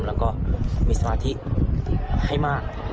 แล้วก็มีสมาธิให้มาก